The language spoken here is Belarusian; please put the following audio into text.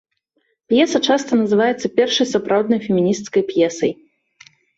П'еса часта называецца першай сапраўднай фемінісцкай п'есай.